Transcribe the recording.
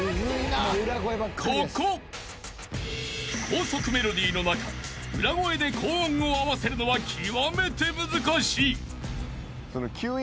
［高速メロディーの中裏声で高音を合わせるのは極めて難しい］